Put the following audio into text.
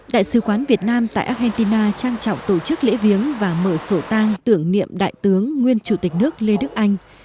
đại sứ quán việt nam tại argentina trang trọng tổ chức lễ viếng và mở sổ tăng tưởng niệm đại tướng nguyên chủ tịch nước lê đức anh